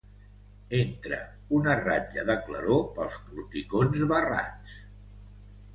Entra una ratlla de claror pels porticons barrats.